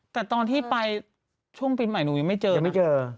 แต่ตอนที่ไปช่วงปีใหม่หนูยังไม่เจอยังไม่เจอ